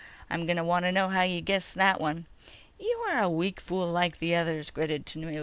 I'm going to want to know how you guessed that one."_ "You are a weak fool like the others," gritted Tanub.